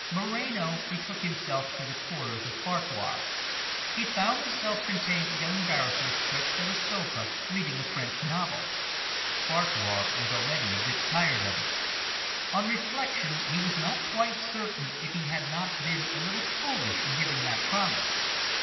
Moreno betook himself to the quarters of Farquhar. He found the self contained young barrister stretched on a sofa, reading a French novel. Farquhar was already a bit tired of it. On reflection, he was not quite certain if he had not been a little foolish in giving that promise.